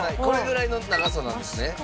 これぐらいの長さなんですね。